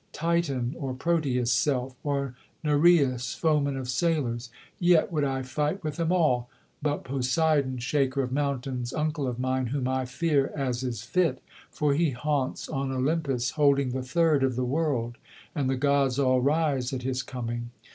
Titan, or Proteus' self, or Nereus, foeman of sailors: Yet would I fight with them all, but Poseidon, shaker of mountains, Uncle of mine, whom I fear, as is fit; for he haunts on Olympus, Holding the third of the world; and the gods all rise at his coming.